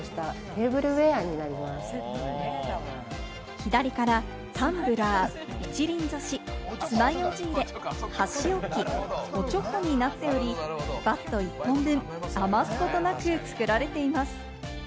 左からタンブラー、一輪挿し、つまようじ入れ、箸置き、おちょこになっており、バット１本分、余すことなく作られています。